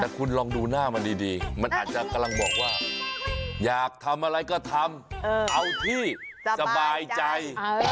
แต่คุณลองดูหน้ามันดีมันอาจจะกำลังบอกว่าอยากทำอะไรก็ทำเอาที่สบายใจ